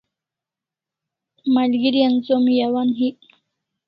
Malgeri an som yawan hik